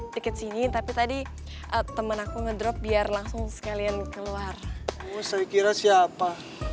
sedikit sini tapi tadi temen aku ngedrop biar langsung sekalian keluar saya kira siapa